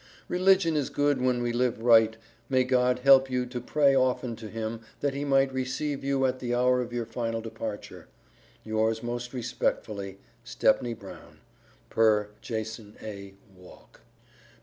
Religion is good when we live right may God help you to pray often to him that he might receive you at the hour of your final departure. Yours most respectfully. STEPNEY BROWN, per Jas. A. Walk.